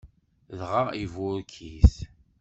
Dɣa iburek-it.